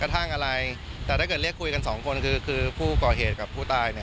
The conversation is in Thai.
กระทั่งอะไรแต่ถ้าเกิดเรียกคุยกัน๒คนคือผู้ก่อเหตุกับผู้ตาย